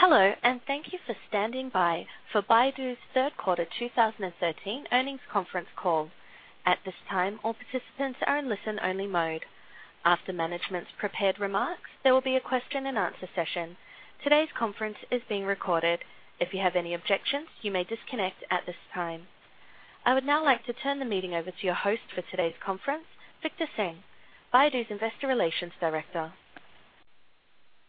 Hello, and thank you for standing by for Baidu's third quarter 2013 earnings conference call. At this time, all participants are in listen-only mode. After management's prepared remarks, there will be a question and answer session. Today's conference is being recorded. If you have any objections, you may disconnect at this time. I would now like to turn the meeting over to your host for today's conference, Victor Tseng, Baidu's Investor Relations Director.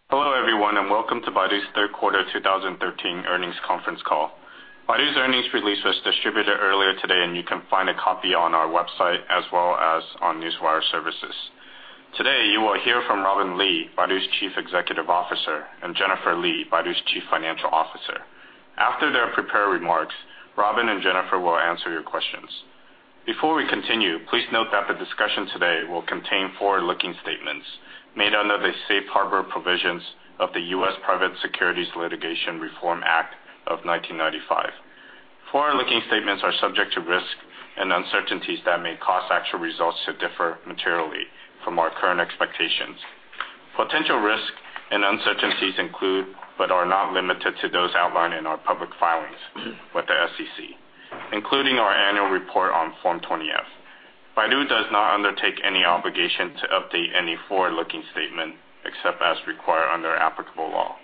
Hello, everyone, and welcome to Baidu's third quarter 2013 earnings conference call. Baidu's earnings release was distributed earlier today, and you can find a copy on our website as well as on Newswire Services. Today, you will hear from Robin Li, Baidu's Chief Executive Officer, and Jennifer Li, Baidu's Chief Financial Officer. After their prepared remarks, Robin and Jennifer will answer your questions. Before we continue, please note that the discussion today will contain forward-looking statements made under the safe harbor provisions of the U.S. Private Securities Litigation Reform Act of 1995. Forward-looking statements are subject to risks and uncertainties that may cause actual results to differ materially from our current expectations. Potential risks and uncertainties include, but are not limited to, those outlined in our public filings with the SEC, including our annual report on Form 20-F. Baidu does not undertake any obligation to update any forward-looking statement except as required under applicable law.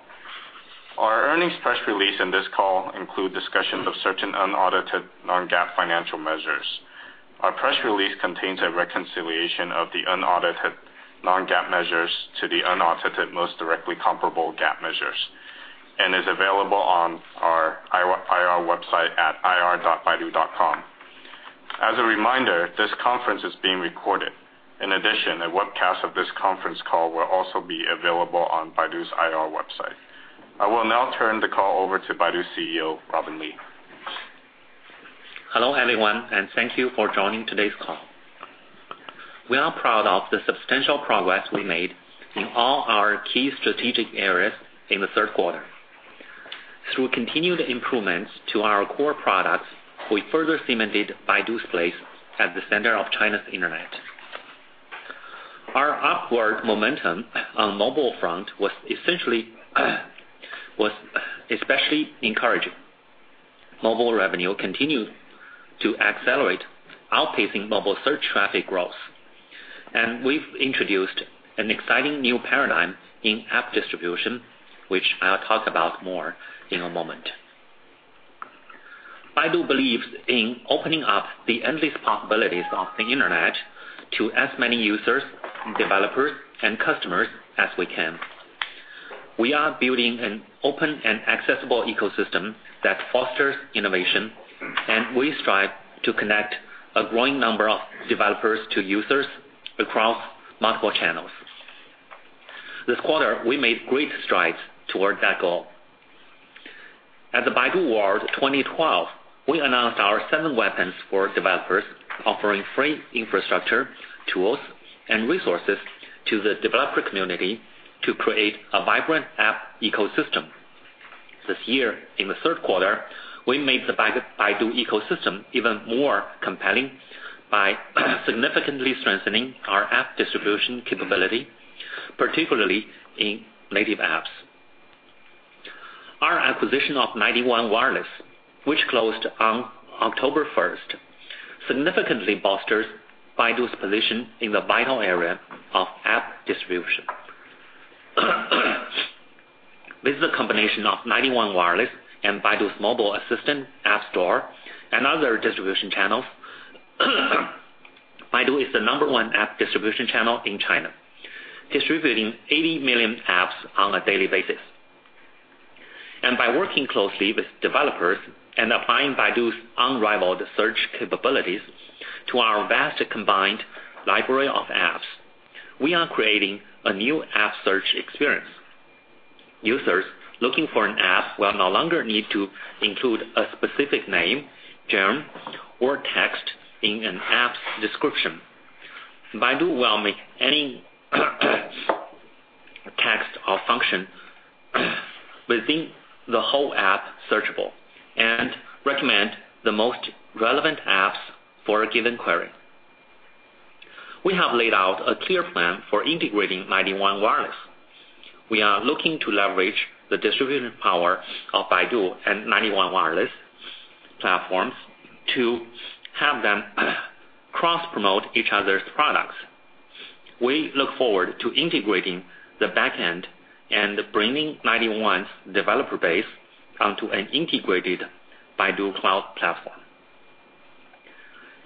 Our earnings press release and this call include discussions of certain unaudited non-GAAP financial measures. Our press release contains a reconciliation of the unaudited non-GAAP measures to the unaudited most directly comparable GAAP measures and is available on our IR website at ir.baidu.com. As a reminder, this conference is being recorded. In addition, a webcast of this conference call will also be available on Baidu's IR website. I will now turn the call over to Baidu CEO, Robin Li. Hello, everyone, and thank you for joining today's call. We are proud of the substantial progress we made in all our key strategic areas in the third quarter. Through continued improvements to our core products, we further cemented Baidu's place at the center of China's internet. Our upward momentum on mobile front was especially encouraging. Mobile revenue continued to accelerate, outpacing mobile search traffic growth. We've introduced an exciting new paradigm in app distribution, which I'll talk about more in a moment. Baidu believes in opening up the endless possibilities of the internet to as many users, developers, and customers as we can. We are building an open and accessible ecosystem that fosters innovation, and we strive to connect a growing number of developers to users across multiple channels. This quarter, we made great strides towards that goal. At the Baidu World 2012, we announced our seven weapons for developers, offering free infrastructure, tools, and resources to the developer community to create a vibrant app ecosystem. This year, in the third quarter, we made the Baidu ecosystem even more compelling by significantly strengthening our app distribution capability, particularly in native apps. Our acquisition of 91 Wireless, which closed on October 1st, significantly bolsters Baidu's position in the vital area of app distribution. With the combination of 91 Wireless and Baidu Mobile Assistant app store and other distribution channels, Baidu is the number one app distribution channel in China, distributing 80 million apps on a daily basis. By working closely with developers and applying Baidu's unrivaled search capabilities to our vast combined library of apps, we are creating a new app search experience. Users looking for an app will no longer need to include a specific name, term, or text in an app's description. Baidu will make any text or function within the whole app searchable and recommend the most relevant apps for a given query. We have laid out a clear plan for integrating 91 Wireless. We are looking to leverage the distribution power of Baidu and 91 Wireless platforms to have them cross-promote each other's products. We look forward to integrating the back end and bringing 91's developer base onto an integrated Baidu cloud platform.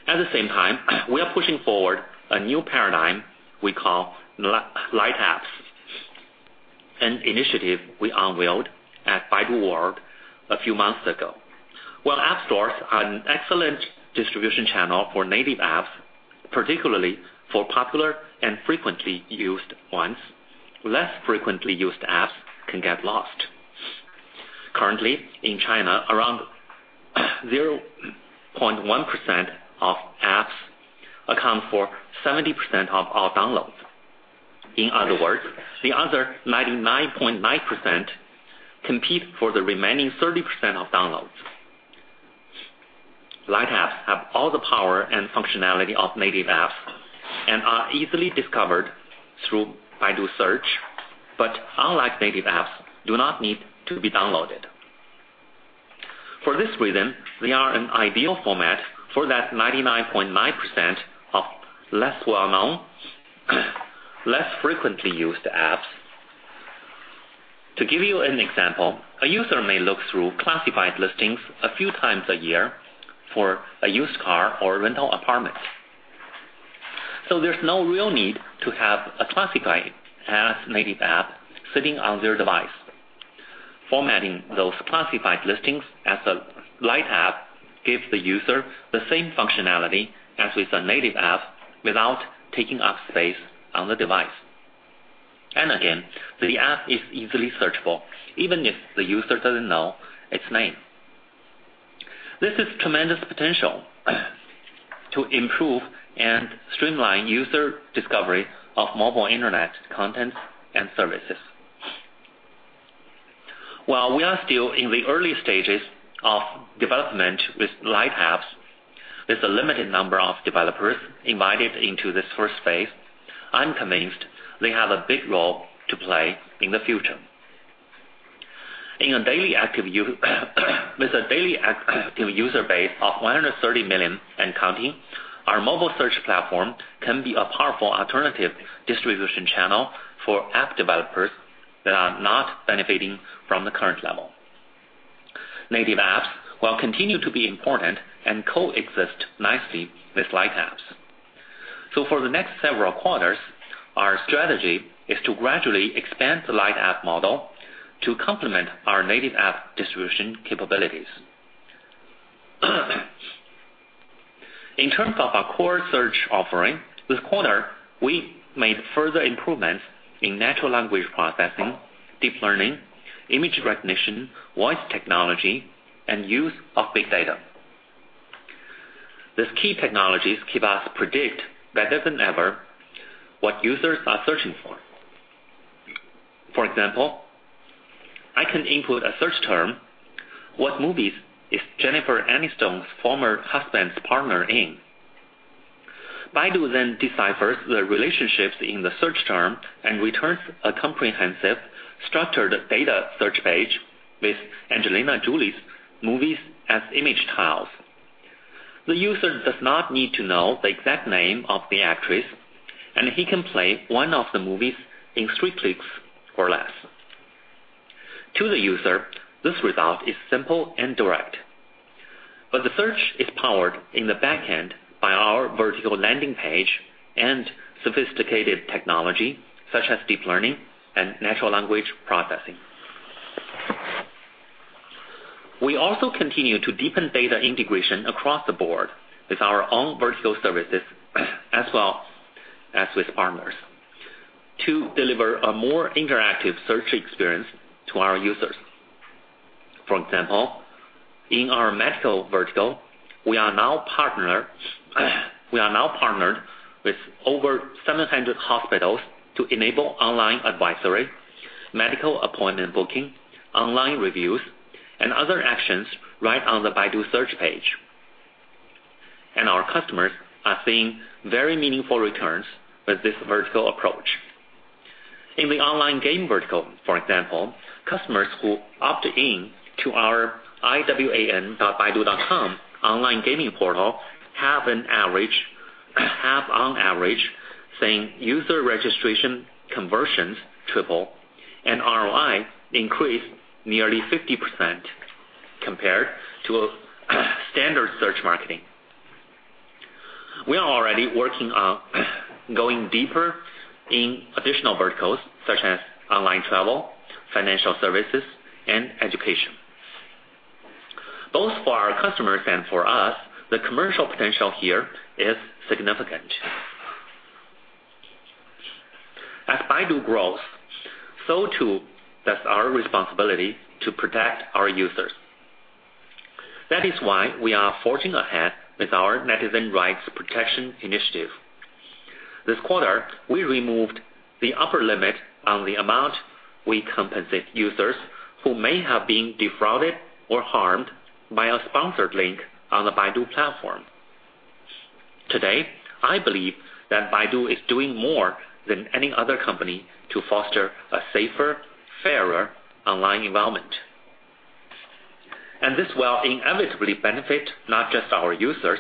At the same time, we are pushing forward a new paradigm we call Light Apps, an initiative we unveiled at Baidu World a few months ago. While app stores are an excellent distribution channel for native apps, particularly for popular and frequently used ones, less frequently used apps can get lost. Currently, in China, around 0.1% of apps account for 70% of all downloads. In other words, the other 99.9% compete for the remaining 30% of downloads. Light Apps have all the power and functionality of native apps and are easily discovered through Baidu search, but unlike native apps, do not need to be downloaded. For this reason, they are an ideal format for that 99.9% of less well-known, less frequently used apps. To give you an example, a user may look through classified listings a few times a year for a used car or rental apartment. There's no real need to have a classified as native app sitting on their device. Formatting those classified listings as a Light App gives the user the same functionality as with a native app without taking up space on the device. Again, the app is easily searchable even if the user doesn't know its name. This is tremendous potential to improve and streamline user discovery of mobile internet content and services. While we are still in the early stages of development with Light Apps, with a limited number of developers invited into this first phase, I'm convinced they have a big role to play in the future. With a daily active user base of 130 million and counting, our mobile search platform can be a powerful alternative distribution channel for app developers that are not benefiting from the current level. Native apps will continue to be important and coexist nicely with Light Apps. For the next several quarters, our strategy is to gradually expand the Light App model to complement our native app distribution capabilities. In terms of our core search offering, this quarter, we made further improvements in natural language processing, deep learning, image recognition, voice technology, and use of big data. These key technologies help us predict better than ever what users are searching for. For example, I can input a search term, what movies is Jennifer Aniston's former husband's partner in? Baidu deciphers the relationships in the search term and returns a comprehensive structured data search page with Angelina Jolie's movies as image tiles. The user does not need to know the exact name of the actress, and he can play one of the movies in three clicks or less. To the user, this result is simple and direct. The search is powered in the back end by our vertical landing page and sophisticated technology such as deep learning and natural language processing. We also continue to deepen data integration across the board with our own vertical services as well as with partners to deliver a more interactive search experience to our users. For example, in our medical vertical, we are now partnered with over 700 hospitals to enable online advisory, medical appointment booking, online reviews, and other actions right on the Baidu search page. Our customers are seeing very meaningful returns with this vertical approach. In the online game vertical, for example, customers who opt in to our iwan.baidu.com online gaming portal have on average, seen user registration conversions triple and ROI increase nearly 50% compared to standard search marketing. We are already working on going deeper in additional verticals such as online travel, financial services, and education. Both for our customers and for us, the commercial potential here is significant. As Baidu grows, so too does our responsibility to protect our users. That is why we are forging ahead with our Netizen Rights Protection Initiative. This quarter, we removed the upper limit on the amount we compensate users who may have been defrauded or harmed by a sponsored link on the Baidu platform. Today, I believe that Baidu is doing more than any other company to foster a safer, fairer online environment. This will inevitably benefit not just our users,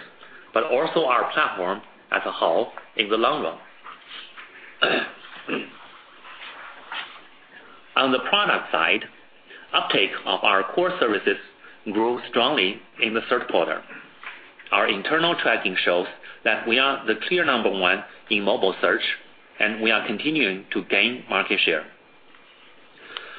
but also our platform as a whole in the long run. On the product side, uptake of our core services grew strongly in the third quarter. Our internal tracking shows that we are the clear number one in mobile search, and we are continuing to gain market share.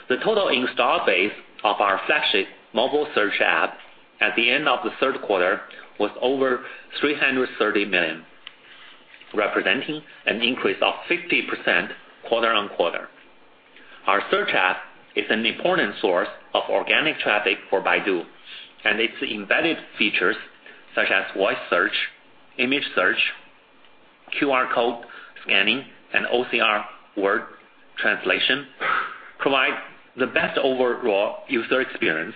The total install base of our flagship mobile search app at the end of the third quarter was over 330 million, representing an increase of 50% quarter on quarter. Our search app is an important source of organic traffic for Baidu, and its embedded features such as voice search, image search QR code scanning and OCR word translation provide the best overall user experience.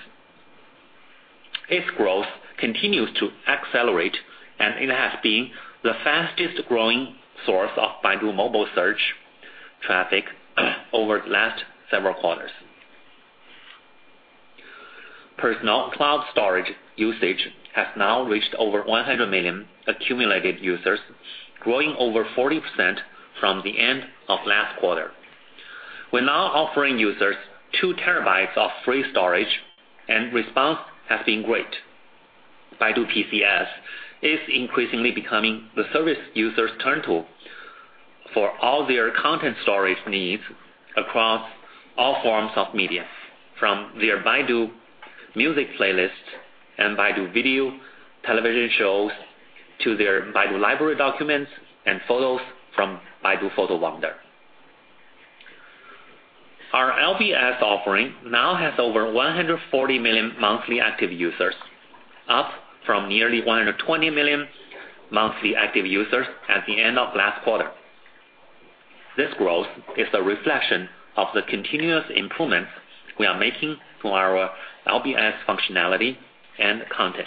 Its growth continues to accelerate, and it has been the fastest-growing source of Baidu Mobile Search traffic over the last several quarters. Personal Cloud Storage usage has now reached over 100 million accumulated users, growing over 40% from the end of last quarter. We're now offering users two terabytes of free storage, and response has been great. Baidu PCS is increasingly becoming the service users' turn tool for all their content storage needs across all forms of media, from their Baidu Music playlists and Baidu Video television shows to their Baidu Library documents and photos from Baidu Photo Wonder. Our LBS offering now has over 140 million monthly active users, up from nearly 120 million monthly active users at the end of last quarter. This growth is a reflection of the continuous improvements we are making to our LBS functionality and content.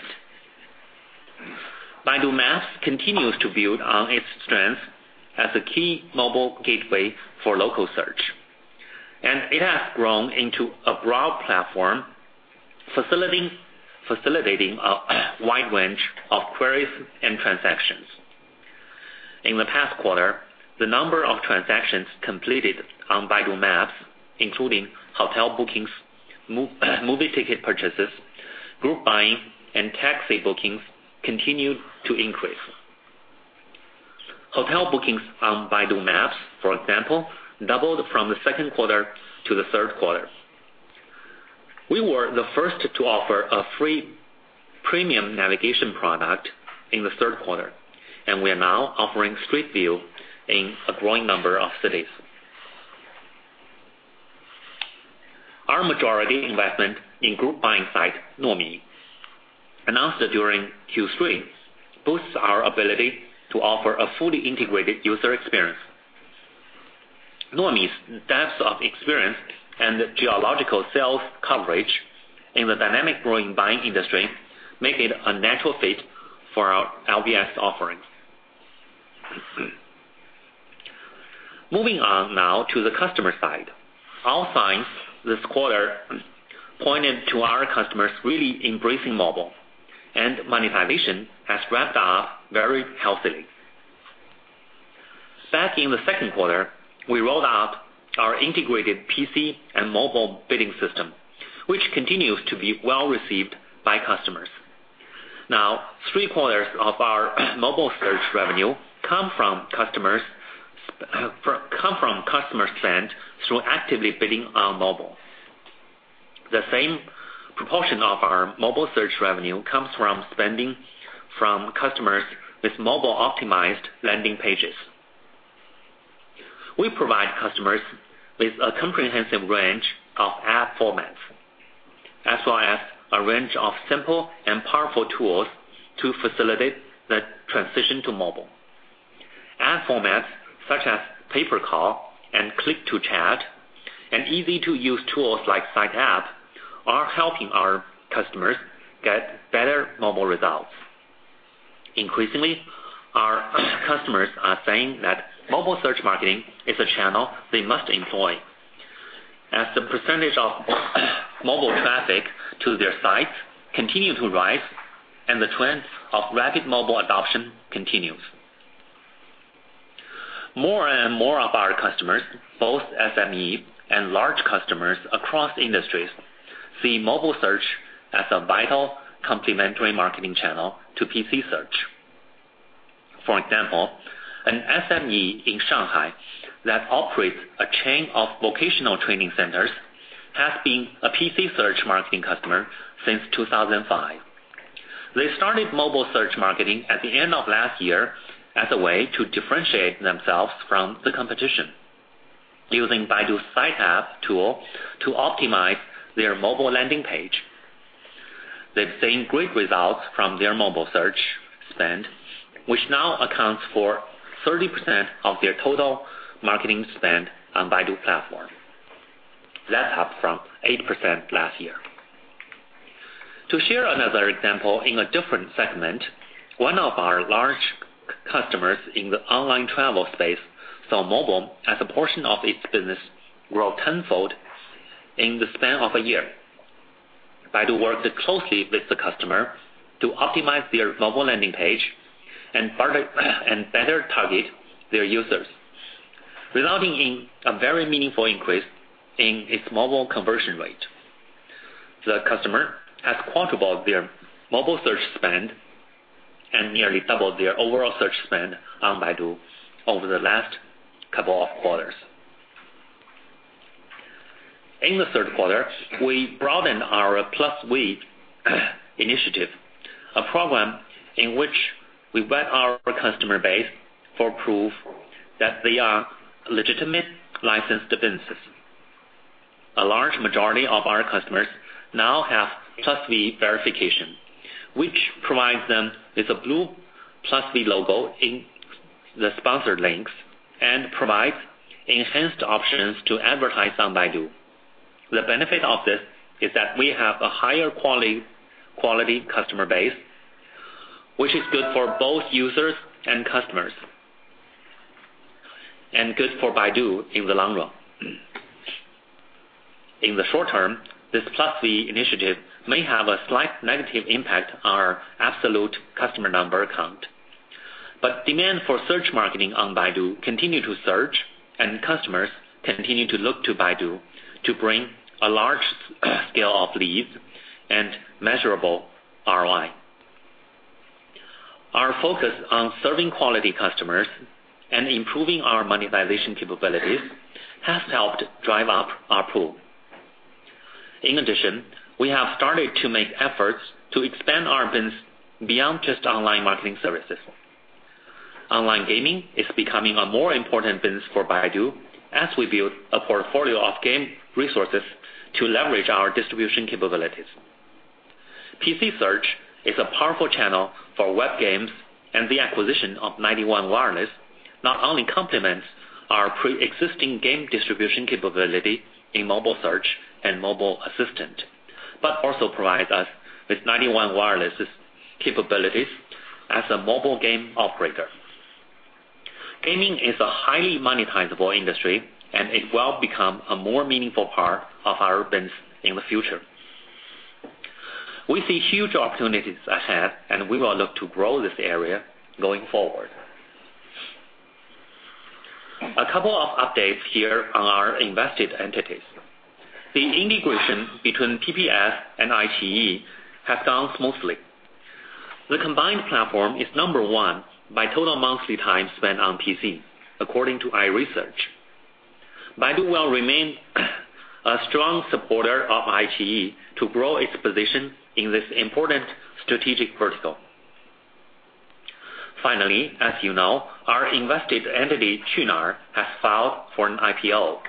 Baidu Maps continues to build on its strength as a key mobile gateway for local search, it has grown into a broad platform facilitating a wide range of queries and transactions. In the past quarter, the number of transactions completed on Baidu Maps, including hotel bookings, movie ticket purchases, group buying, and taxi bookings continued to increase. Hotel bookings on Baidu Maps, for example, doubled from the second quarter to the third quarter. We were the first to offer a free premium navigation product in the third quarter, we are now offering Street View in a growing number of cities. Our majority investment in group buying site, Nuomi, announced during Q3, boosts our ability to offer a fully integrated user experience. Nuomi's depths of experience and geographical sales coverage in the dynamic group buying industry make it a natural fit for our LBS offerings. Moving on now to the customer side. All signs this quarter pointed to our customers really embracing mobile, and monetization has ramped up very healthily. Back in the second quarter, we rolled out our integrated PC and mobile bidding system, which continues to be well-received by customers. Now three quarters of our mobile search revenue come from customers spent through actively bidding on mobile. The same proportion of our mobile search revenue comes from spending from customers with mobile-optimized landing pages. We provide customers with a comprehensive range of ad formats, as well as a range of simple and powerful tools to facilitate the transition to mobile. Ad formats such as Pay-per-call and Click to chat and easy-to-use tools like Site App are helping our customers get better mobile results. Increasingly, our customers are saying that mobile search marketing is a channel they must employ as the percentage of mobile traffic to their sites continue to rise and the trend of rapid mobile adoption continues. More and more of our customers, both SME and large customers across industries, see mobile search as a vital complementary marketing channel to PC search. For example, an SME in Shanghai that operates a chain of vocational training centers has been a PC search marketing customer since 2005. They started mobile search marketing at the end of last year as a way to differentiate themselves from the competition. Using Baidu Site App tool to optimize their mobile landing page. They've seen great results from their mobile search spend, which now accounts for 30% of their total marketing spend on Baidu platform. That's up from 8% last year. To share another example in a different segment, one of our large customers in the online travel space saw mobile as a portion of its business grow tenfold in the span of a year. Baidu worked closely with the customer to optimize their mobile landing page and better target their users, resulting in a very meaningful increase in its mobile conversion rate. The customer has quadrupled their mobile search spend and nearly doubled their overall search spend on Baidu over the last couple of quarters. In the third quarter, we broadened our Plus V initiative, a program in which we vet our customer base for proof that they are legitimate licensed businesses. A large majority of our customers now have Plus V verification, which provides them with a blue Plus V logo in the sponsored links and provides enhanced options to advertise on Baidu. The benefit of this is that we have a higher quality customer base, which is good for both users and customers, and good for Baidu in the long run. In the short term, this Plus V initiative may have a slight negative impact on our absolute customer number count. Demand for search marketing on Baidu continue to surge, and customers continue to look to Baidu to bring a large scale of leads and measurable ROI. Our focus on serving quality customers and improving our monetization capabilities has helped drive up our pool. In addition, we have started to make efforts to expand our business beyond just online marketing services. Online gaming is becoming a more important business for Baidu as we build a portfolio of game resources to leverage our distribution capabilities. PC search is a powerful channel for web games, and the acquisition of 91 Wireless not only complements our preexisting game distribution capability in mobile search and mobile assistant, but also provides us with 91 Wireless's capabilities as a mobile game operator. Gaming is a highly monetizable industry, and it will become a more meaningful part of our business in the future. We see huge opportunities ahead, we will look to grow this area going forward. A couple of updates here on our invested entities. The integration between PPS and iQiyi has gone smoothly. The combined platform is number one by total monthly time spent on PC, according to our research. Baidu will remain a strong supporter of iQiyi to grow its position in this important strategic vertical. Finally, as you know, our invested entity, Qunar, has filed for an IPO.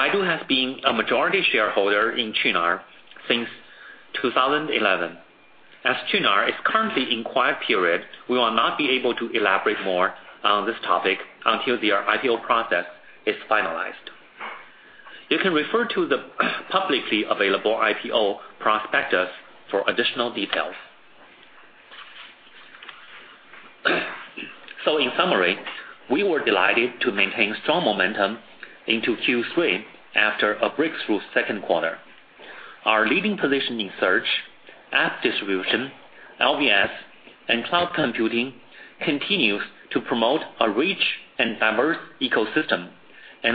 Baidu has been a majority shareholder in Qunar since 2011. As Qunar is currently in quiet period, we will not be able to elaborate more on this topic until their IPO process is finalized. You can refer to the publicly available IPO prospectus for additional details. In summary, we were delighted to maintain strong momentum into Q3 after a breakthrough second quarter. Our leading position in search, app distribution, LBS, and cloud computing continues to promote a rich and diverse ecosystem,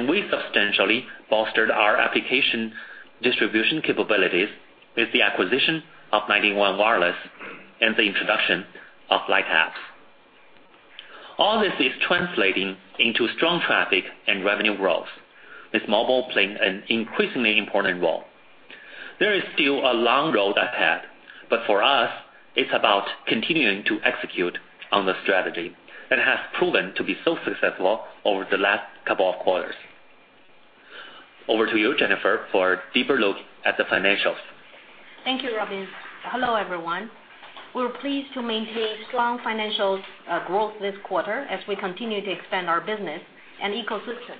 we substantially bolstered our application distribution capabilities with the acquisition of 91 Wireless and the introduction of Light Apps. All this is translating into strong traffic and revenue growth, with mobile playing an increasingly important role. There is still a long road ahead, for us, it's about continuing to execute on the strategy that has proven to be so successful over the last couple of quarters. Over to you, Jennifer, for a deeper look at the financials. Thank you, Robin. Hello, everyone. We're pleased to maintain strong financials growth this quarter as we continue to expand our business and ecosystem.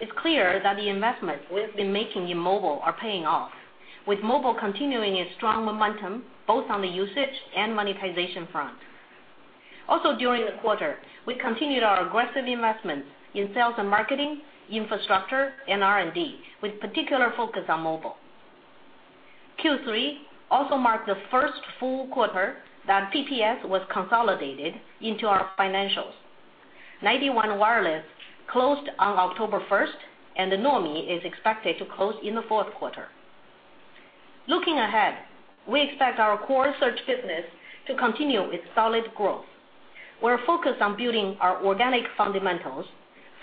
It's clear that the investments we've been making in mobile are paying off, with mobile continuing its strong momentum both on the usage and monetization front. During the quarter, we continued our aggressive investments in sales and marketing, infrastructure, and R&D, with particular focus on mobile. Q3 also marked the first full quarter that PPS was consolidated into our financials. 91 Wireless closed on October 1st, and Nuomi is expected to close in the fourth quarter. We expect our core search business to continue its solid growth. We're focused on building our organic fundamentals,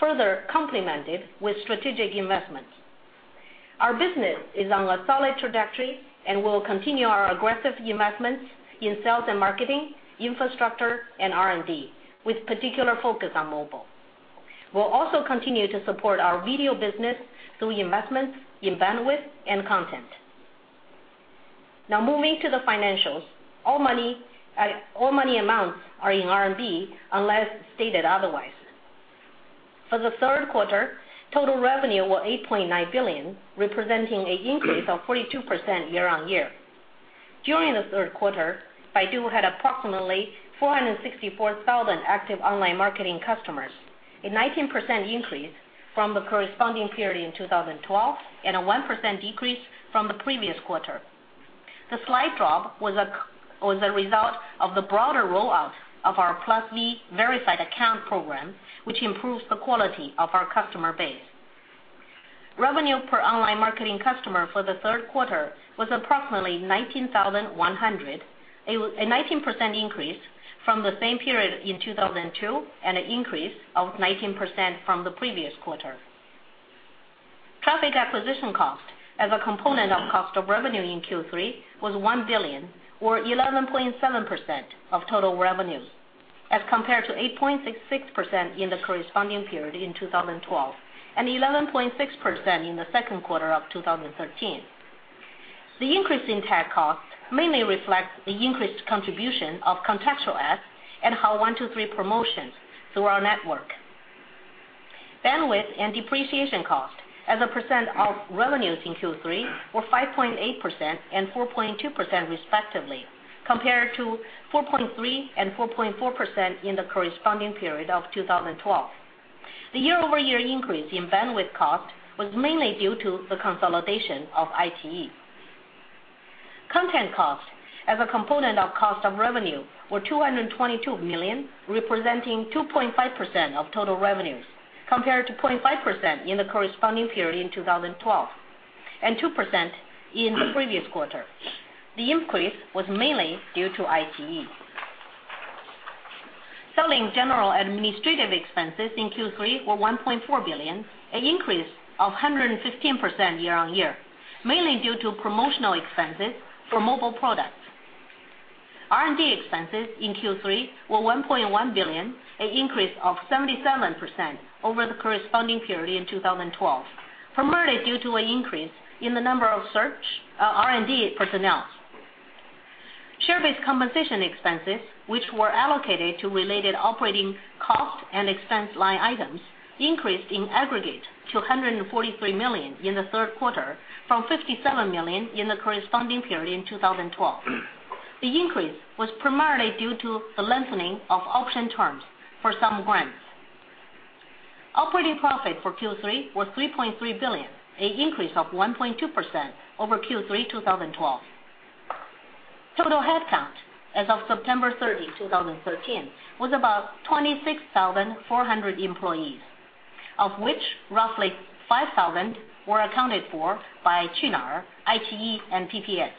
further complemented with strategic investments. Our business is on a solid trajectory, we'll continue our aggressive investments in sales and marketing, infrastructure, and R&D, with particular focus on mobile. We'll also continue to support our video business through investments in bandwidth and content. Moving to the financials. All money amounts are in RMB unless stated otherwise. For the third quarter, total revenue was 8.9 billion, representing an increase of 42% year-on-year. During the third quarter, Baidu had approximately 464,000 active online marketing customers, a 19% increase from the corresponding period in 2012 and a 1% decrease from the previous quarter. The slight drop was a result of the broader rollout of our Plus V verified account program, which improves the quality of our customer base. Revenue per online marketing customer for the third quarter was approximately 19,100, a 19% increase from the same period in 2012, an increase of 19% from the previous quarter. Traffic Acquisition Cost as a component of cost of revenue in Q3 was 1 billion or 11.7% of total revenue. Compared to 8.66% in the corresponding period in 2012, 11.6% in the second quarter of 2013. The increase in TAC costs mainly reflects the increased contribution of contextual ads and Hao123 promotions through our network. Bandwidth and depreciation costs as a percent of revenues in Q3 were 5.8% and 4.2% respectively, compared to 4.3% and 4.4% in the corresponding period of 2012. The year-over-year increase in bandwidth cost was mainly due to the consolidation of iQiyi. Content costs as a component of cost of revenue were 222 million, representing 2.5% of total revenues, compared to 0.5% in the corresponding period in 2012, 2% in the previous quarter. The increase was mainly due to iQiyi. Selling, General and Administrative Expenses in Q3 were CNY 1.4 billion, an increase of 115% year-on-year, mainly due to promotional expenses for mobile products. R&D expenses in Q3 were 1.1 billion, an increase of 77% over the corresponding period in 2012, primarily due to an increase in the number of R&D personnel. Share-based compensation expenses, which were allocated to related operating costs and expense line items, increased in aggregate to 143 million in the third quarter from 57 million in the corresponding period in 2012. The increase was primarily due to the lengthening of option terms for some grants. Operating Profit for Q3 was 3.3 billion, an increase of 1.2% over Q3 2012. Total headcount as of September 30, 2013, was about 26,400 employees, of which roughly 5,000 were accounted for by Qunar, iQiyi, and PPS.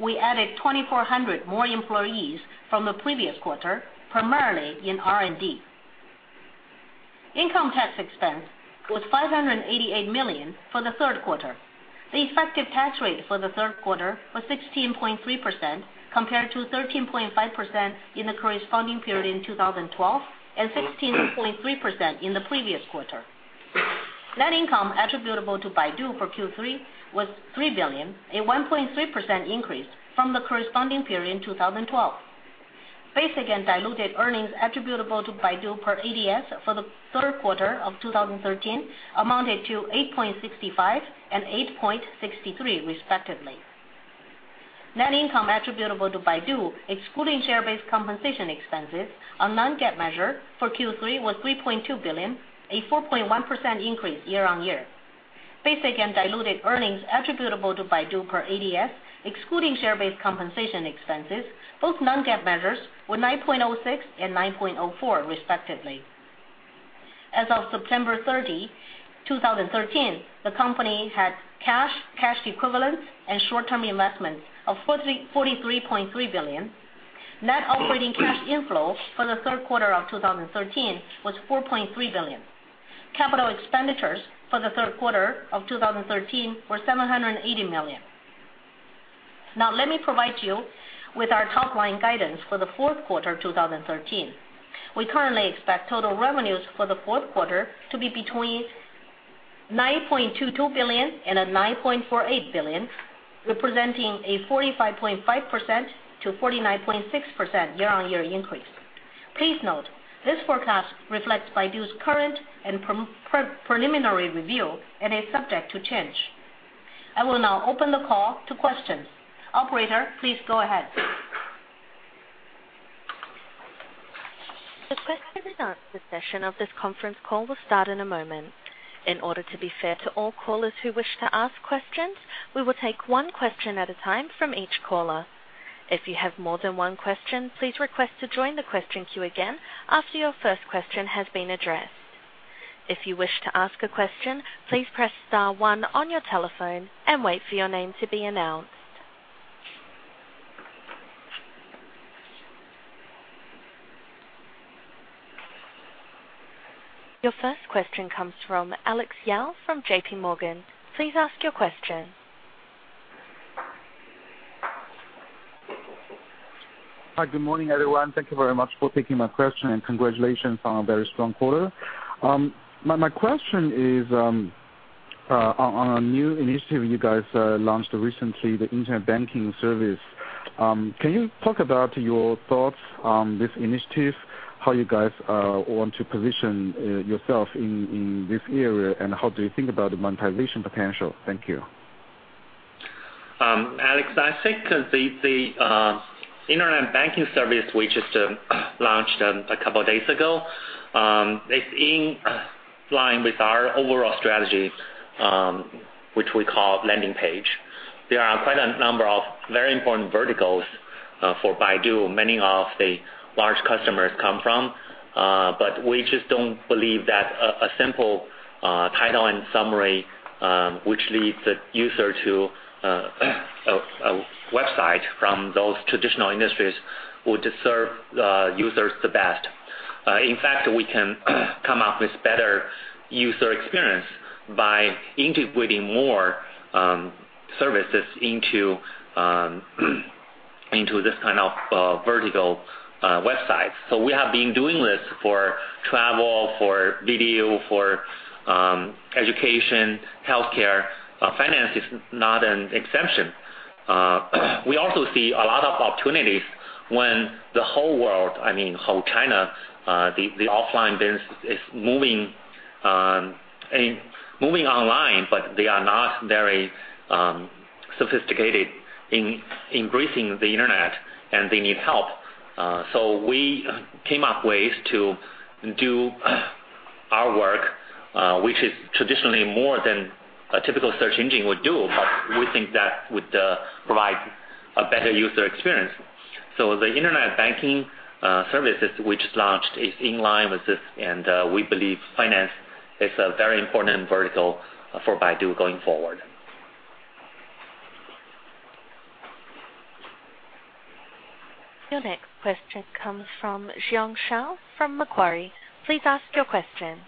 We added 2,400 more employees from the previous quarter, primarily in R&D. Income tax expense was 588 million for the third quarter. The effective tax rate for the third quarter was 16.3%, compared to 13.5% in the corresponding period in 2012, and 16.3% in the previous quarter. Net income attributable to Baidu for Q3 was 3 billion, a 1.3% increase from the corresponding period in 2012. Basic and diluted earnings attributable to Baidu per ADS for the third quarter of 2013 amounted to $8.65 and $8.63 respectively. Net income attributable to Baidu, excluding share-based compensation expenses on non-GAAP measure for Q3 was 3.2 billion, a 4.1% increase year-on-year. Basic and diluted earnings attributable to Baidu per ADS, excluding share-based compensation expenses, both non-GAAP measures, were $9.06 and $9.04 respectively. As of September 30, 2013, the company had cash equivalents, and short-term investments of 43.3 billion. Net operating cash inflow for the third quarter of 2013 was 4.3 billion. Capital expenditures for the third quarter of 2013 were 780 million. Let me provide you with our top-line guidance for the fourth quarter 2013. We currently expect total revenues for the fourth quarter to be between 9.22 billion and 9.48 billion, representing a 45.5%-49.6% year-on-year increase. Please note, this forecast reflects Baidu's current and preliminary review and is subject to change. I will now open the call to questions. Operator, please go ahead. The question and answer session of this conference call will start in a moment. In order to be fair to all callers who wish to ask questions, we will take one question at a time from each caller. If you have more than one question, please request to join the question queue again after your first question has been addressed. If you wish to ask a question, please press *1 on your telephone and wait for your name to be announced. Your first question comes from Alex Yao from J.P. Morgan. Please ask your question. Hi. Good morning, everyone. Thank you very much for taking my question, congratulations on a very strong quarter. My question is on a new initiative you guys launched recently, the internet banking service. Can you talk about your thoughts on this initiative, how you guys want to position yourself in this area, how do you think about the monetization potential? Thank you. Alex, I think the Internet banking service we just launched a couple of days ago, it's in line with our overall strategy, which we call landing page. There are quite a number of very important verticals for Baidu, many of the large customers come from. We just don't believe that a simple title and summary, which leads the user to a website from those traditional industries would serve the users the best. In fact, we can come up with better user experience by integrating more services into this kind of vertical website. We have been doing this for travel, for video, for education, healthcare. Finance is not an exception. We also see a lot of opportunities when the whole world, I mean, whole China, the offline business is moving online, but they are not very sophisticated in increasing the Internet, and they need help. We came up with ways to do our work, which is traditionally more than a typical search engine would do, but we think that would provide a better user experience. The Internet banking services we just launched is in line with this, and we believe finance is a very important vertical for Baidu going forward. Your next question comes from Jialong Shi from Macquarie. Please ask your question.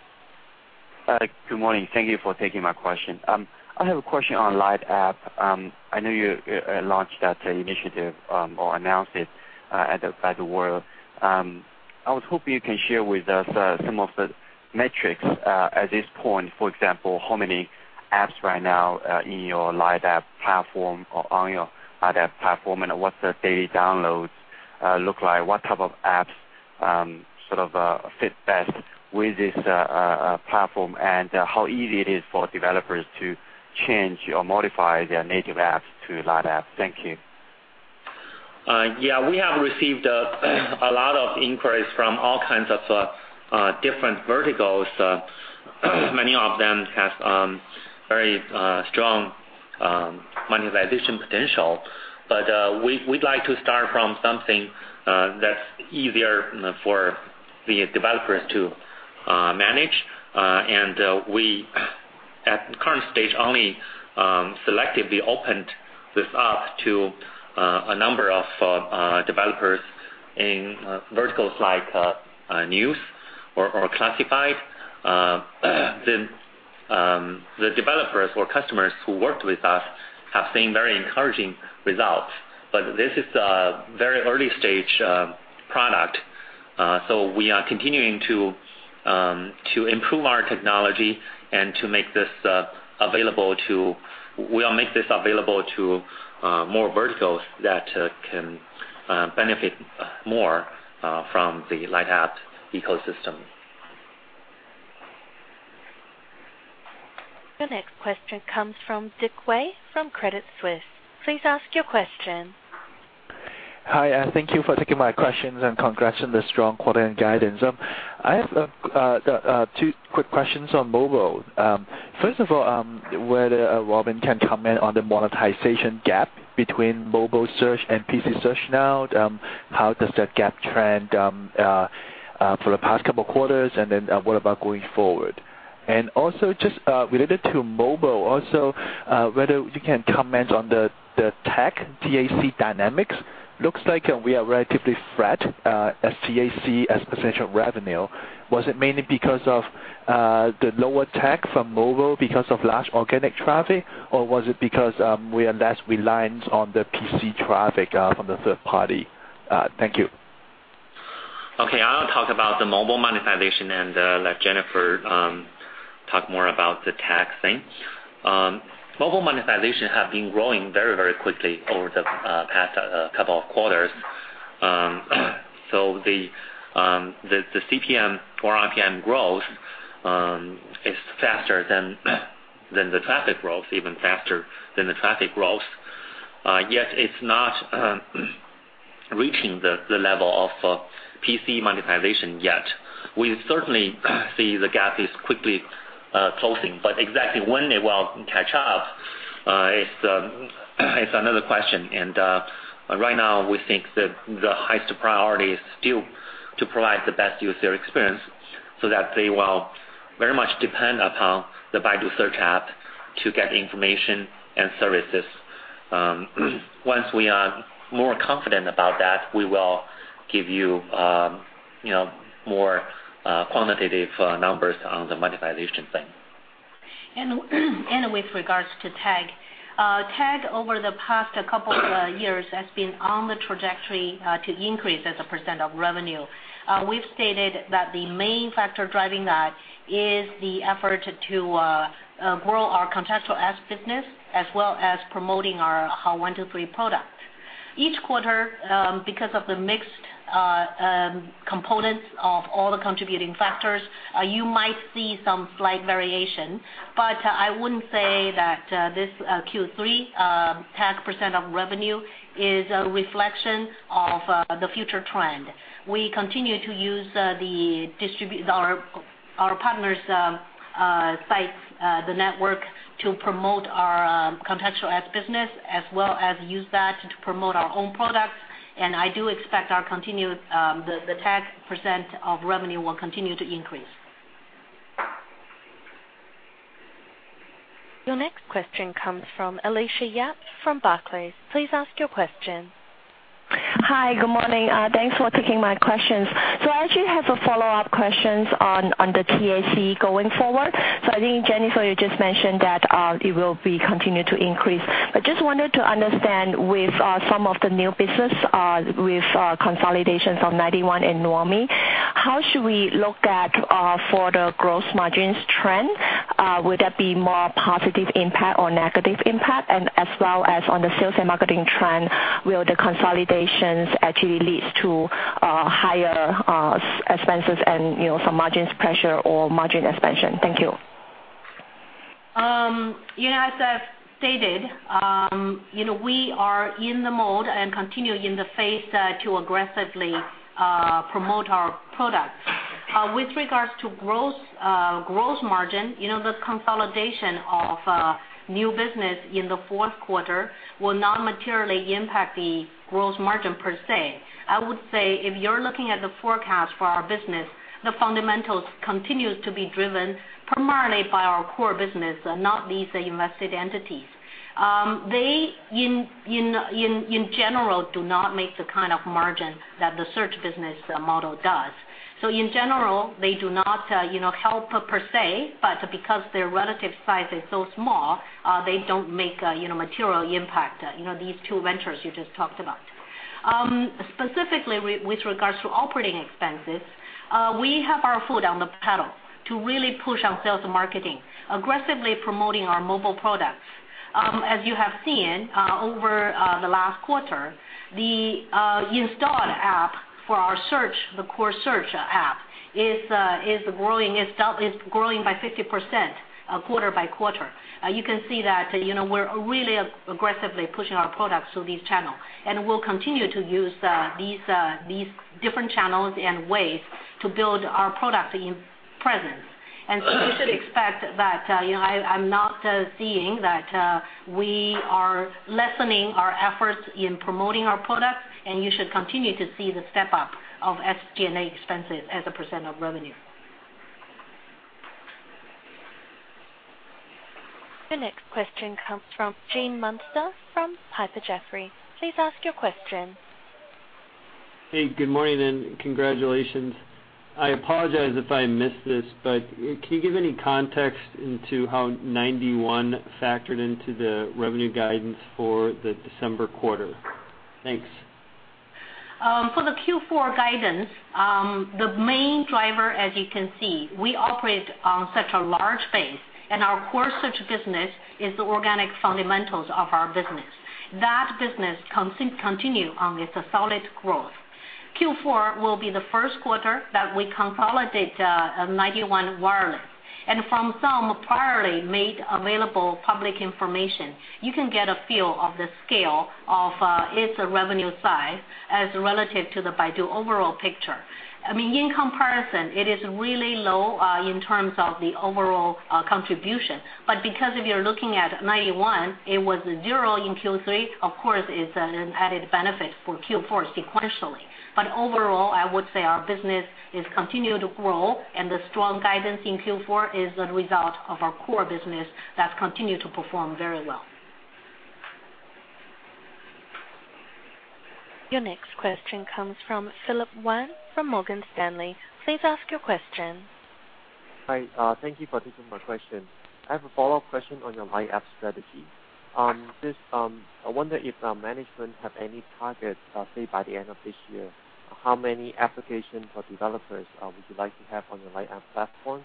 Good morning. Thank you for taking my question. I have a question on Light App. I know you launched that initiative, or announced it at the Baidu World. I was hoping you can share with us some of the metrics at this point. For example, how many apps right now in your Light App platform or on your Light App platform, and what the daily downloads look like, what type of apps sort of fit best with this platform, and how easy it is for developers to change or modify their native apps to Light App. Thank you. Yeah, we have received a lot of inquiries from all kinds of different verticals. Many of them have very strong monetization potential. We'd like to start from something that's easier for the developers to manage. We, at current stage, only selectively opened this up to a number of developers in verticals like news or classified. The developers or customers who worked with us have seen very encouraging results. This is a very early-stage product. We are continuing to improve our technology and to make this available to more verticals that can benefit more from the Light App ecosystem. Your next question comes from Dick Wei from Credit Suisse. Please ask your question. Hi, thank you for taking my questions and congrats on the strong quarter and guidance. I have two quick questions on mobile. First of all, whether Robin can comment on the monetization gap between mobile search and PC search now, how does that gap trend for the past couple quarters, what about going forward? Also, just related to mobile, also, whether you can comment on the TAC, T-A-C, dynamics. Looks like we are relatively flat as TAC as a % of revenue. Was it mainly because of the lower TAC from mobile because of large organic traffic, or was it because we are less reliant on the PC traffic from the third party? Thank you. Okay. I'll talk about the mobile monetization and let Jennifer talk more about the TAC thing. Mobile monetization has been growing very quickly over the past couple of quarters. The CPM or RPM growth is faster than the traffic growth, even faster than the traffic growth. Yet it's not reaching the level of PC monetization yet. We certainly see the gap is quickly closing, exactly when it will catch up, it's another question. Right now, we think that the highest priority is still to provide the best user experience so that they will very much depend upon the Baidu search app to get information and services. Once we are more confident about that, we will give you more quantitative numbers on the monetization thing. With regards to TAC. TAC, over the past couple of years, has been on the trajectory to increase as a % of revenue. We've stated that the main factor driving that is the effort to grow our contextual ADS business, as well as promoting our Hao123 product. Each quarter, because of the mixed components of all the contributing factors, you might see some slight variation. I wouldn't say that this Q3 TAC % of revenue is a reflection of the future trend. We continue to use our partners' sites, the network, to promote our contextual ADS business, as well as use that to promote our own products. I do expect the TAC % of revenue will continue to increase. Your next question comes from Alicia Yap from Barclays. Please ask your question. Hi. Good morning. Thanks for taking my questions. I actually have follow-up questions on the TAC going forward. I think, Jennifer, you just mentioned that it will continue to increase. Just wanted to understand with some of the new business, with consolidations on 91 and Nuomi, how should we look at for the gross margins trend? Would that be more positive impact or negative impact? As well as on the sales and marketing trend, will the consolidations actually lead to higher expenses and some margins pressure or margin expansion? Thank you. As I've stated, we are in the mode and continue in the phase to aggressively promote our products. With regards to gross margin, the consolidation of new business in the fourth quarter will not materially impact the gross margin per se. I would say, if you're looking at the forecast for our business, the fundamentals continue to be driven primarily by our core business, not these invested entities. They, in general, do not make the kind of margin that the search business model does. In general, they do not help per se, but because their relative size is so small, they don't make a material impact, these two ventures you just talked about. Specifically, with regards to operating expenses, we have our foot on the pedal to really push on sales and marketing, aggressively promoting our mobile products. As you have seen over the last quarter, the installed app for our search, the core search app, is growing by 50% quarter by quarter. You can see that we're really aggressively pushing our products through this channel, and we'll continue to use these different channels and ways to build our product presence. So you should expect that I'm not seeing that we are lessening our efforts in promoting our product, and you should continue to see the step-up of SG&A expenses as a % of revenue. The next question comes from Gene Munster from Piper Jaffray. Please ask your question. Hey, good morning and congratulations. I apologize if I missed this, but can you give any context into how 91 factored into the revenue guidance for the December quarter? Thanks. For the Q4 guidance, the main driver, as you can see, we operate on such a large base, and our core search business is the organic fundamentals of our business. That business continue on its solid growth. Q4 will be the first quarter that we consolidate 91 Wireless. From some priorly made available public information, you can get a feel of the scale of its revenue size as relative to the Baidu overall picture. In comparison, it is really low in terms of the overall contribution. Because if you're looking at 91, it was zero in Q3, of course, it's an added benefit for Q4 sequentially. Overall, I would say our business is continuing to grow, and the strong guidance in Q4 is a result of our core business that continue to perform very well. Your next question comes from Philip Wan from Morgan Stanley. Please ask your question. Hi. Thank you for taking my question. I have a follow-up question on your Light App strategy. I wonder if management have any targets, say, by the end of this year, how many applications for developers would you like to have on your Light App platform?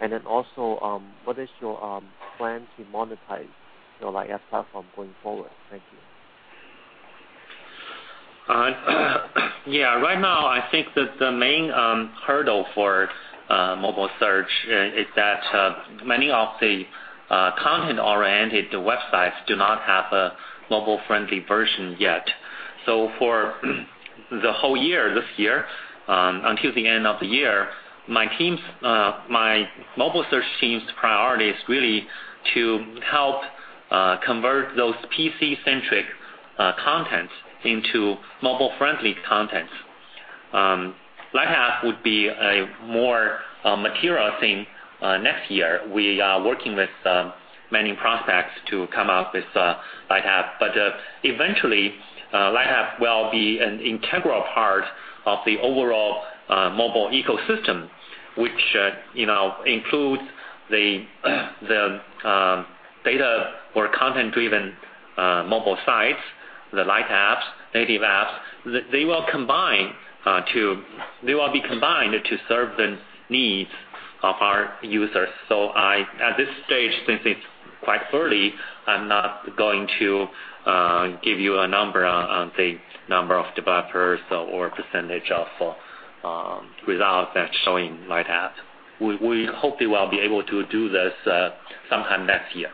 Then also, what is your plan to monetize your Light App platform going forward? Thank you. Yeah. Right now, I think that the main hurdle for mobile search is that many of the content-oriented websites do not have a mobile-friendly version yet. For the whole year, this year, until the end of the year, my mobile search team's priority is really to help convert those PC-centric contents into mobile-friendly contents. Light App would be a more material thing next year. We are working with many prospects to come out with Light App. Eventually, Light App will be an integral part of the overall mobile ecosystem, which includes the data or content-driven mobile sites, the Light apps, native apps. They will be combined to serve the needs of our users. At this stage, since it's quite early, I'm not going to give you a number on the number of developers or percentage of results that's showing Light App. We hope we will be able to do this sometime next year.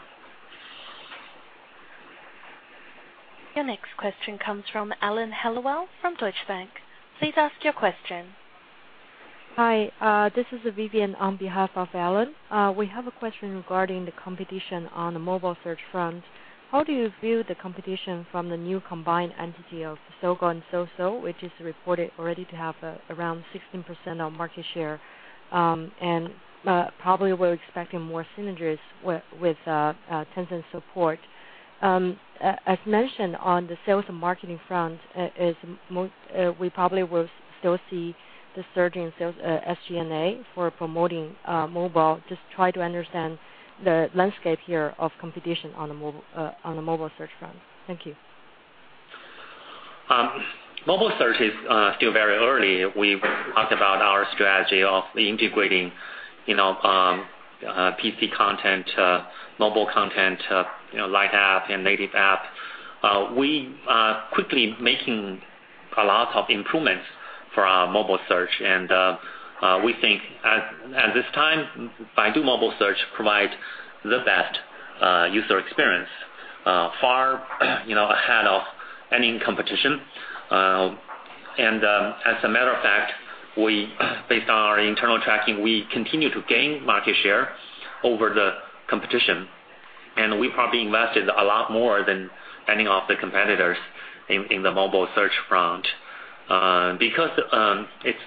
Your next question comes from Alan Hellawell from Deutsche Bank. Please ask your question. Hi, this is Vivian on behalf of Alan. We have a question regarding the competition on the mobile search front. How do you view the competition from the new combined entity of Sogou and Soso, which is reported already to have around 16% of market share, and probably we are expecting more synergies with Tencent's support. As mentioned on the sales and marketing front, we probably will still see the surge in sales, SG&A for promoting mobile. Just trying to understand the landscape here of competition on the mobile search front. Thank you. Mobile search is still very early. We have talked about our strategy of integrating PC content, mobile content, Light App, and native app. We are quickly making a lot of improvements for our mobile search. We think at this time, Baidu mobile search provides the best user experience, far ahead of any competition. As a matter of fact, based on our internal tracking, we continue to gain market share over the competition, and we probably invested a lot more than any of the competitors in the mobile search front. Because it's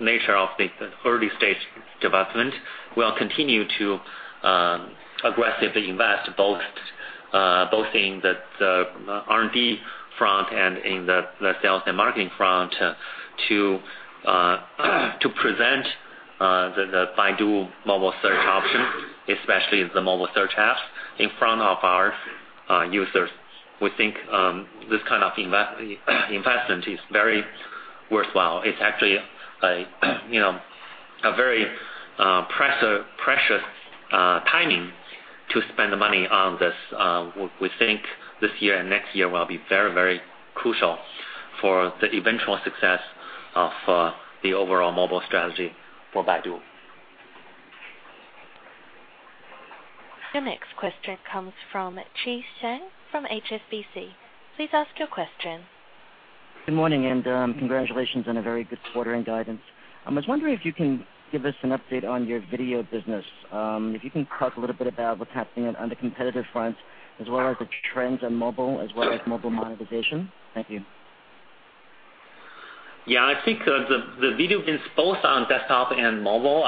nature of the early stage development, we will continue to aggressively invest both in the R&D front and in the sales and marketing front to present the Baidu mobile search option, especially the mobile search apps in front of our users. We think this kind of investment is very worthwhile. It's actually a very precious timing to spend the money on this. We think this year and next year will be very crucial for the eventual success of the overall mobile strategy for Baidu. Your next question comes from Chi Tsang from HSBC. Please ask your question. Good morning, and congratulations on a very good quarter and guidance. I was wondering if you can give us an update on your video business. If you can talk a little bit about what's happening on the competitive front, as well as the trends on mobile, as well as mobile monetization. Thank you. Yeah, I think the video biz both on desktop and mobile,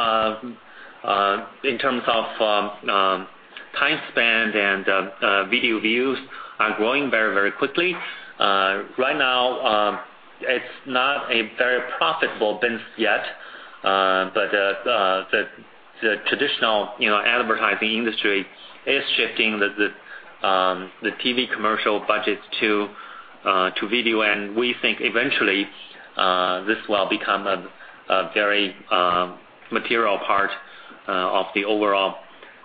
in terms of time spent and video views are growing very quickly. Right now, it's not a very profitable business yet. The traditional advertising industry is shifting the TV commercial budgets to video. We think eventually, this will become a very material part of the overall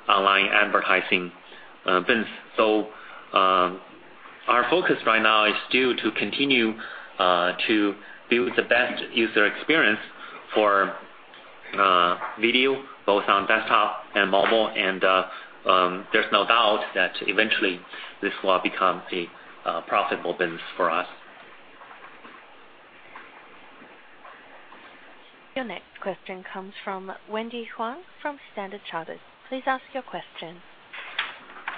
online advertising business. Our focus right now is still to continue to build the best user experience for video, both on desktop and mobile. There's no doubt that eventually this will become a profitable business for us. Your next question comes from Wendy Huang from Standard Chartered. Please ask your question.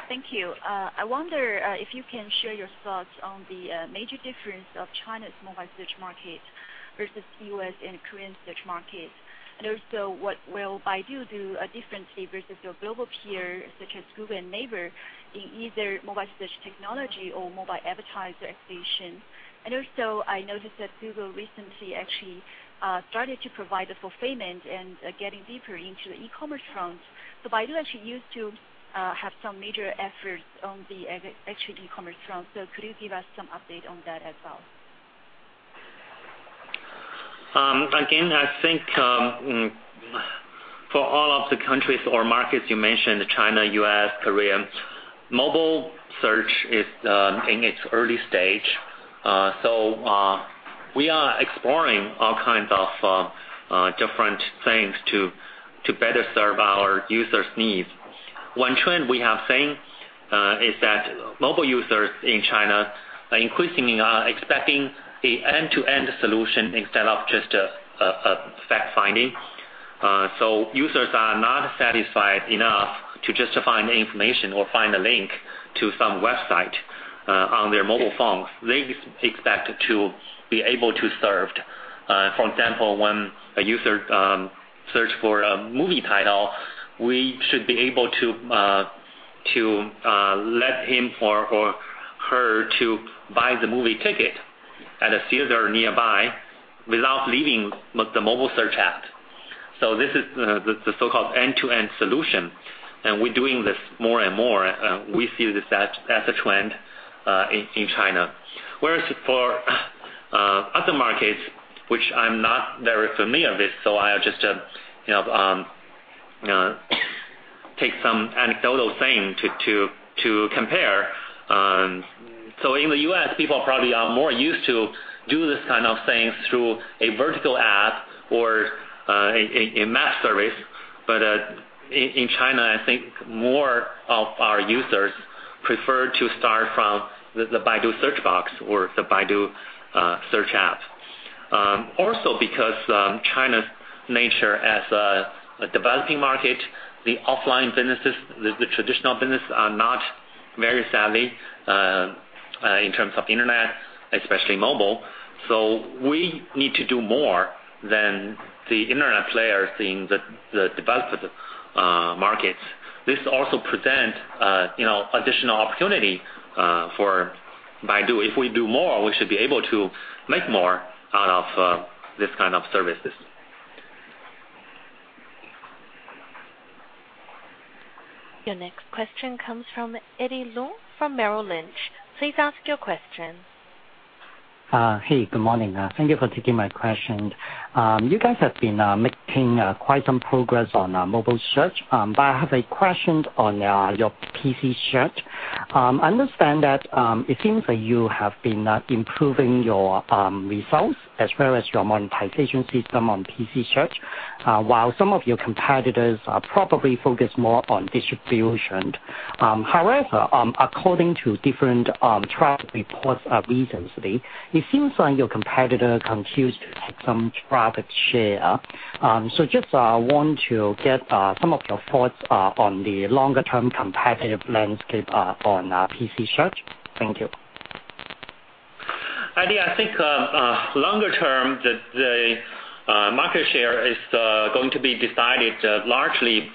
Thank you. I wonder if you can share your thoughts on the major difference of China's mobile search market versus the U.S. and Korean search markets. What will Baidu do differently versus your global peers such as Google and Naver in either mobile search technology or mobile advertiser acquisition? I noticed that Google recently actually started to provide a fulfillment and getting deeper into the e-commerce front. Baidu actually used to have some major efforts on the actual e-commerce front. Could you give us some update on that as well? Again, I think for all of the countries or markets you mentioned, China, U.S., Korea, mobile search is in its early stage. We are exploring all kinds of different things to better serve our users' needs. One trend we have seen is that mobile users in China are increasingly expecting the end-to-end solution instead of just a fact-finding. Users are not satisfied enough to just find the information or find a link to some website on their mobile phones. They expect to be able to be served. For example, when a user searches for a movie title, we should be able to let him or her buy the movie ticket at a theater nearby without leaving the mobile search app. This is the so-called end-to-end solution, and we're doing this more and more. We view this as a trend in China. Whereas for other markets, which I'm not very familiar with, I'll just take some anecdotal thing to compare. In the U.S., people probably are more used to do this kind of thing through a vertical app or a map service. In China, I think more of our users prefer to start from the Baidu search box or the Baidu search app. Because China's nature as a developing market, the offline businesses, the traditional business, are not very savvy in terms of internet, especially mobile. We need to do more than the internet players in the developed markets. This also presents additional opportunity for Baidu. If we do more, we should be able to make more out of these kind of services. Your next question comes from Eddie Leung from Merrill Lynch. Please ask your question. Hey, good morning. Thank you for taking my question. You guys have been making quite some progress on mobile search. I have a question on your PC search. I understand that it seems that you have been improving your results as well as your monetization system on PC search, while some of your competitors are probably focused more on distribution. However, according to different trial reports recently, it seems like your competitor continues to take some traffic share. Just want to get some of your thoughts on the longer-term competitive landscape on PC search. Thank you. Eddie, I think longer term, the market share is going to be decided largely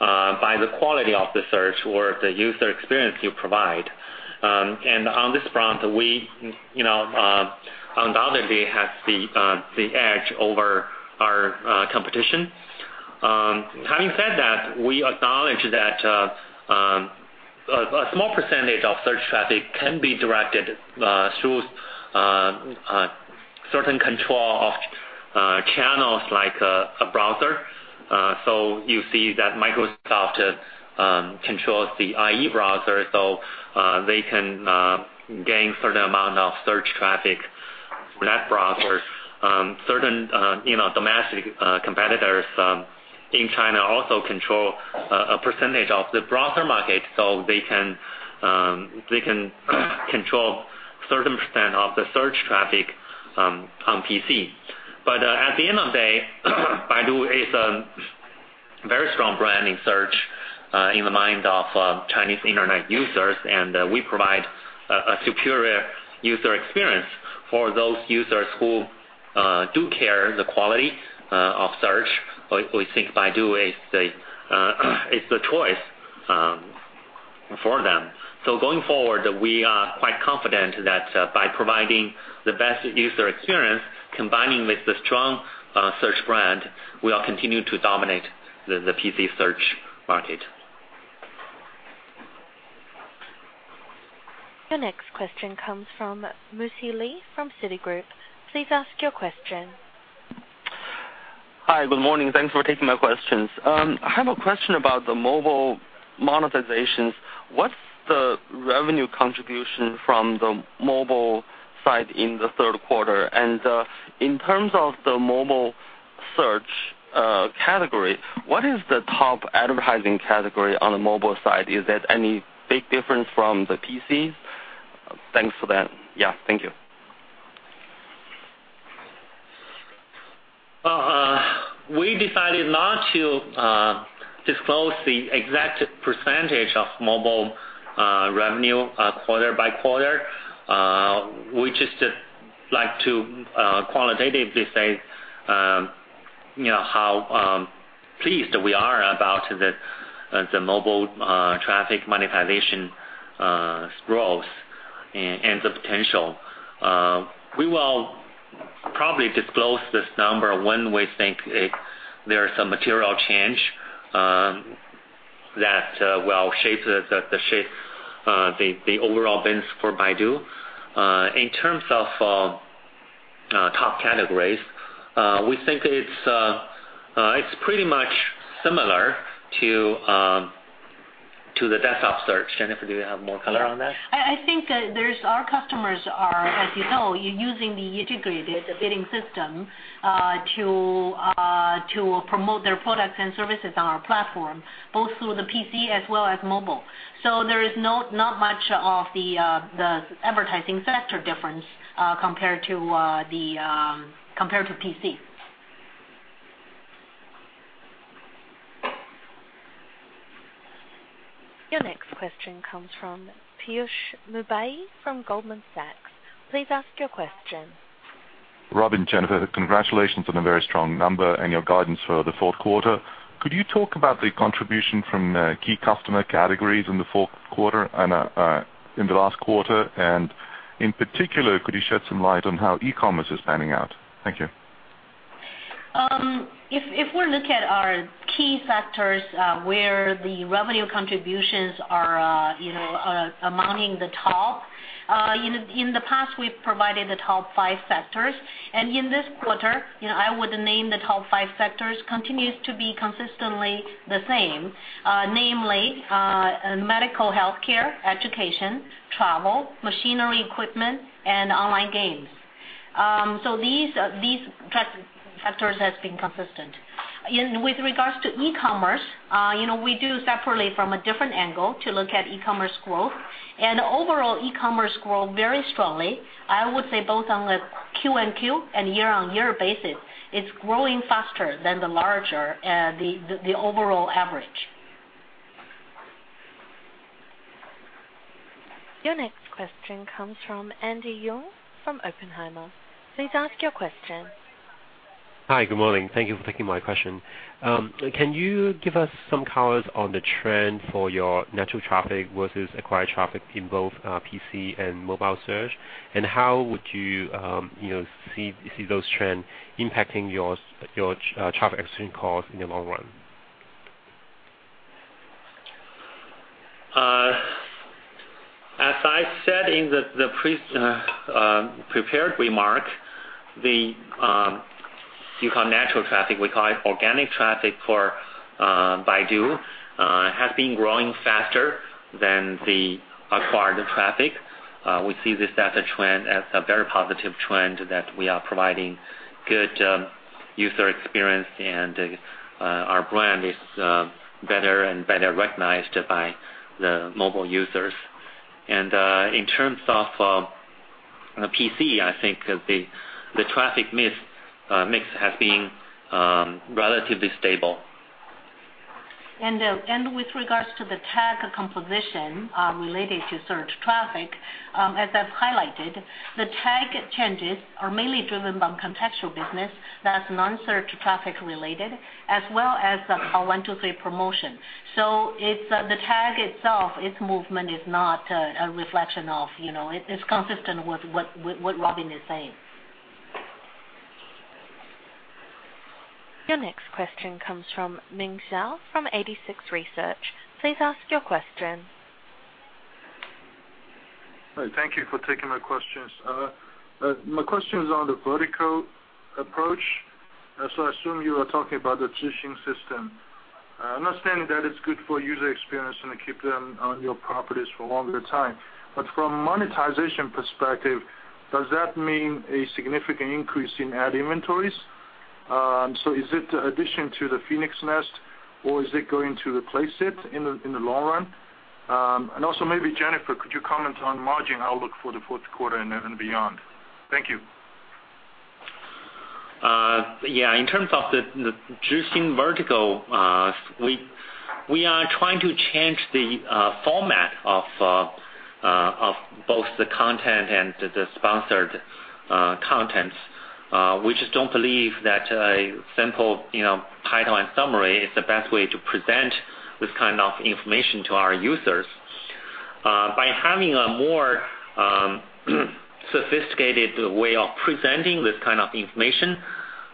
by the quality of the search or the user experience you provide. On this front, we undoubtedly have the edge over our competition. Having said that, we acknowledge that a small percentage of search traffic can be directed through certain control of channels like a browser. You see that Microsoft controls the IE browser, so they can gain certain amount of search traffic from that browser. Certain domestic competitors in China also control a percentage of the browser market, so they can control certain percent of the search traffic on PC. At the end of day, Baidu is a very strong brand in search, in the mind of Chinese internet users, and we provide a superior user experience for those users who do care the quality of search. We think Baidu is the choice for them. Going forward, we are quite confident that by providing the best user experience, combining with the strong search brand, we are continuing to dominate the PC search market. Your next question comes from Muzhi Li from Citigroup. Please ask your question. Hi, good morning. Thanks for taking my questions. I have a question about the mobile monetizations. What's the revenue contribution from the mobile side in the third quarter? In terms of the mobile search category, what is the top advertising category on the mobile side? Is that any big difference from the PC? Thanks for that. Yeah, thank you. We decided not to disclose the exact percentage of mobile revenue quarter by quarter. We just like to qualitatively say how pleased we are about the mobile traffic monetization's growth and the potential. We will probably disclose this number when we think there's a material change that will shape the overall business for Baidu. In terms of top categories, we think it's pretty much similar to the desktop search. Jennifer, do you have more color on that? Yeah. I think our customers are, as you know, using the integrated bidding system to promote their products and services on our platform, both through the PC as well as mobile. There is not much of the advertising sector difference compared to PC. Your next question comes from Piyush Mubayi from Goldman Sachs. Please ask your question. Robin, Jennifer, congratulations on a very strong number and your guidance for the fourth quarter. Could you talk about the contribution from key customer categories in the fourth quarter and in the last quarter? In particular, could you shed some light on how e-commerce is panning out? Thank you. If we look at our key sectors where the revenue contributions are amounting the top, in the past, we've provided the top five sectors. In this quarter, I would name the top five sectors continues to be consistently the same. Namely, medical healthcare, education, travel, machinery equipment, and online games. These factors has been consistent. With regards to e-commerce, we do separately from a different angle to look at e-commerce growth. Overall, e-commerce grow very strongly. I would say both on the quarter-on-quarter and year-on-year basis, it's growing faster than the overall average. Your next question comes from Andy Yeung from Oppenheimer. Please ask your question. Hi. Good morning. Thank you for taking my question. Can you give us some colors on the trend for your natural traffic versus acquired traffic in both PC and mobile search? How would you see those trends impacting your traffic acquisition costs in the long run? As I said in the prepared remark, you call natural traffic, we call it organic traffic for Baidu, has been growing faster than the acquired traffic. We see this as a very positive trend that we are providing good user experience, and our brand is better and better recognized by the mobile users. In terms of PC, I think the traffic mix has been relatively stable. With regards to the TAC composition related to search traffic, as I've highlighted, the TAC changes are mainly driven by contextual business that's non-search traffic related as well as the 1-2-3 promotion. The TAC itself, its movement is consistent with what Robin is saying. Your next question comes from Ming Zhao from 86Research. Please ask your question. Hi. Thank you for taking my questions. My question is on the vertical approach. I assume you are talking about the Zhixing System. Understanding that it's good for user experience and keep them on your properties for longer time. From monetization perspective, does that mean a significant increase in ad inventories? Is it addition to the Phoenix Nest or is it going to replace it in the long run? Also maybe Jennifer, could you comment on margin outlook for the fourth quarter and beyond? Thank you. Yeah. In terms of the Baidu Zhixing vertical, we are trying to change the format of both the content and the sponsored contents. We just don't believe that a simple title and summary is the best way to present this kind of information to our users. By having a more sophisticated way of presenting this kind of information,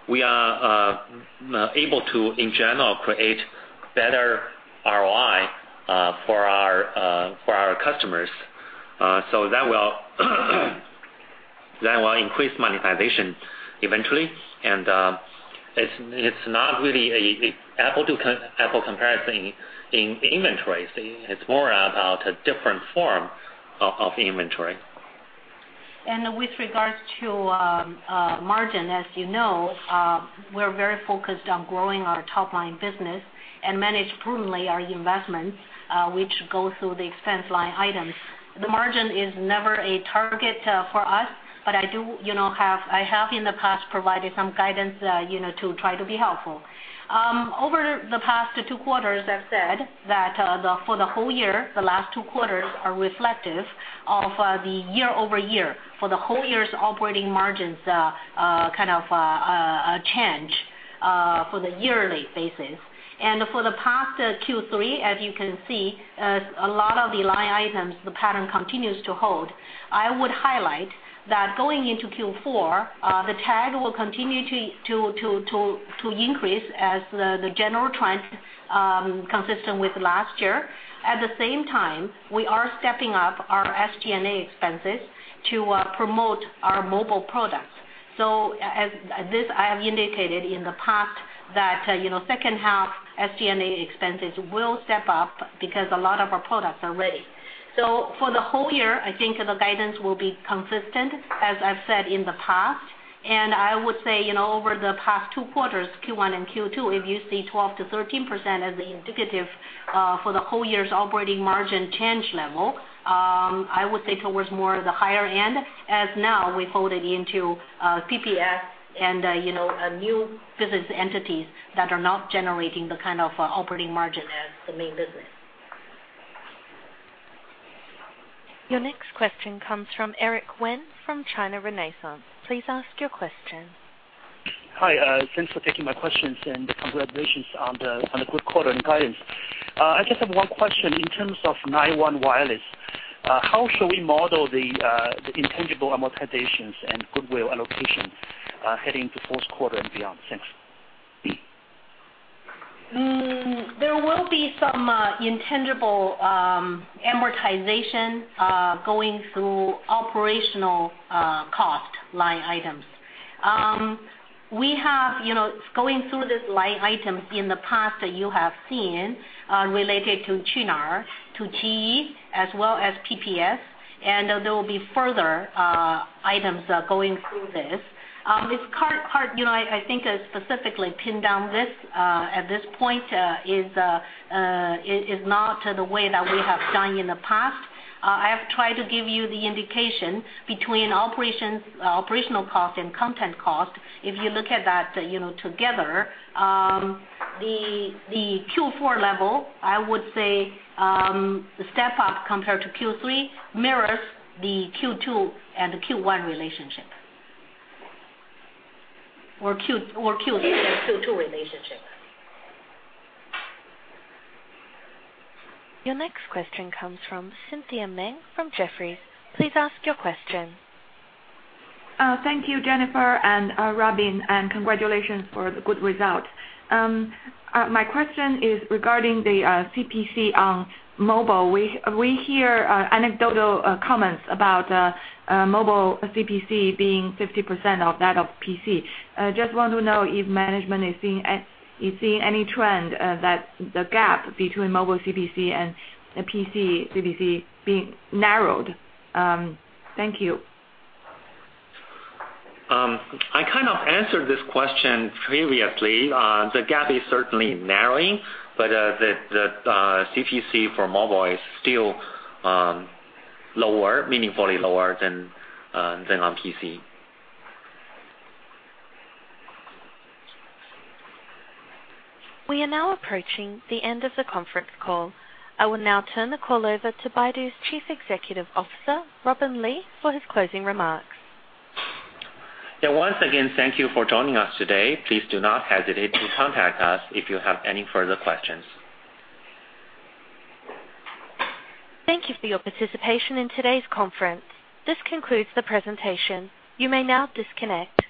we are able to, in general, create better ROI for our customers. That will increase monetization eventually. It's not really an apple comparison in inventories. It's more about a different form of inventory. With regards to margin, as you know, we're very focused on growing our top-line business and manage prudently our investments, which go through the expense line items. The margin is never a target for us. I have in the past provided some guidance to try to be helpful. Over the past two quarters, I've said that for the whole year, the last two quarters are reflective of the year-over-year. For the whole year's operating margins, kind of a change for the yearly basis. For the past Q3, as you can see, a lot of the line items, the pattern continues to hold. I would highlight that going into Q4, the TAC will continue to increase as the general trend, consistent with last year. At the same time, we are stepping up our SG&A expenses to promote our mobile products. As this, I have indicated in the past that second half SG&A expenses will step up because a lot of our products are ready. For the whole year, I think the guidance will be consistent, as I've said in the past. I would say, over the past two quarters, Q1 and Q2, if you see 12%-13% as indicative for the whole year's operating margin change level, I would say towards more the higher end, as now we folded into PPS and new business entities that are not generating the kind of operating margin as the main business. Your next question comes from Eric Wen from China Renaissance. Please ask your question. Hi, thanks for taking my questions. Congratulations on the good quarter and guidance. I just have one question. In terms of 91 Wireless, how should we model the intangible amortizations and goodwill allocations heading into fourth quarter and beyond? Thanks. There will be some intangible amortization going through operational cost line items. We have, going through these line items in the past that you have seen related to Qunar, to GE, as well as PPS. There will be further items going through this. This part, I think specifically pin down this at this point is not the way that we have done in the past. I have tried to give you the indication between operational cost and content cost. If you look at that together, the Q4 level, I would say, the step up compared to Q3 mirrors the Q2 and Q1 relationship. Q3 and Q2 relationship. Your next question comes from Cynthia Meng from Jefferies. Please ask your question. Thank you, Jennifer and Robin. Congratulations for the good result. My question is regarding the CPC on mobile. We hear anecdotal comments about mobile CPC being 50% of that of PC. Just want to know if management is seeing any trend that the gap between mobile CPC and PC CPC being narrowed. Thank you. I kind of answered this question previously. The gap is certainly narrowing, but the CPC for mobile is still meaningfully lower than on PC. We are now approaching the end of the conference call. I will now turn the call over to Baidu's Chief Executive Officer, Robin Li, for his closing remarks. Yeah. Once again, thank you for joining us today. Please do not hesitate to contact us if you have any further questions. Thank you for your participation in today's conference. This concludes the presentation. You may now disconnect.